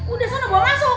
udah sana bawa masuk